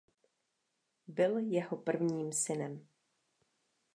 Byl jeho prvním synem.